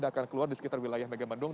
dan akan keluar di sekitar wilayah megamendung